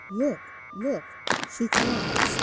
Look ! look !• she comes